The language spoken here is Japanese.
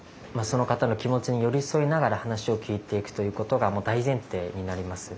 その方の気持ちに寄り添いながら話を聞いていくということが大前提になります。